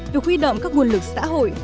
được huy động các nguồn lực xã hội